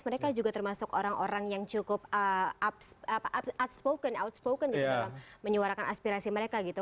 mereka juga termasuk orang orang yang cukup outspoken gitu dalam menyuarakan aspirasi mereka gitu